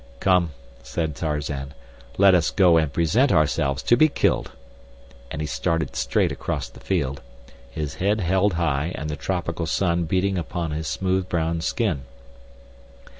"Come," said Tarzan, "let us go and present ourselves to be killed," and he started straight across the field, his head high held and the tropical sun beating upon his smooth, brown skin.